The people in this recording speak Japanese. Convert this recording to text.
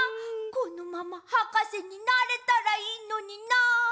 このままはかせになれたらいいのにな！